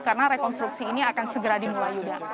karena rekonstruksi ini akan segera dimulai